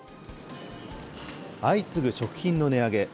相次ぐ食品の値上げ。